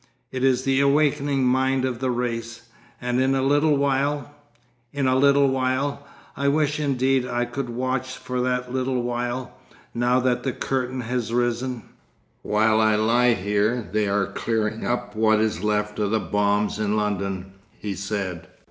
It is the awakening mind of the race, and in a little while——In a little while——I wish indeed I could watch for that little while, now that the curtain has risen.... 'While I lie here they are clearing up what is left of the bombs in London,' he said.